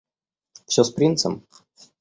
Всё с принцем?